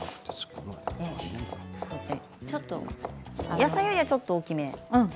野菜よりはちょっと大きめで。